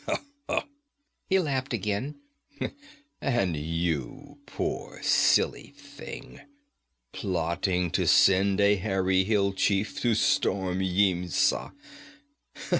He laughed again. 'And you, poor, silly thing! Plotting to send a hairy hill chief to storm Yimsha!